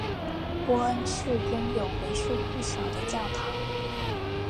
波恩市拥有为数不少的教堂。